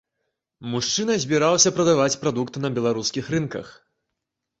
Мужчына збіраўся прадаваць прадукт на беларускіх рынках.